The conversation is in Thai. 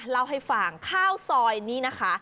เล่าให้ฟังข้าวซอยนี้นะคะ